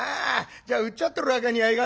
じゃうっちゃってるわけにはいかねえや。